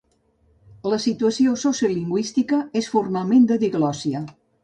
La situació sociolingüística és formalment de diglòssia.